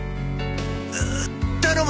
頼む！